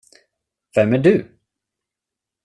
Vem är du?